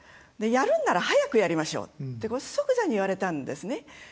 やるんなら早くやりましょうって即座に言われたんですね。